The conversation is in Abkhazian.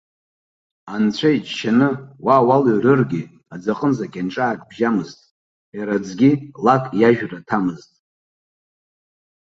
Анцәа иџьшьаны, уа уалыҩрыргьы, аӡаҟынӡа кьанҿаак бжьамызт, иара аӡгьы лак иажәра ҭамызт.